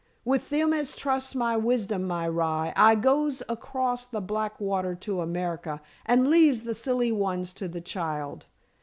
With them as trusts my wisdom, my rye, I goes across the black water to America and leaves the silly ones to the child.